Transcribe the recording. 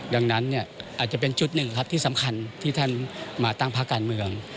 ดังนั้นเนี่ยอาจจะเป็นจุดหนึ่งครับที่สำคัญที่ท่านมาตั้งพักการเมือง